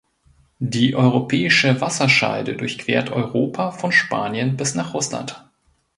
Die Europäische Wasserscheide durchquert Europa von Spanien bis nach Russland.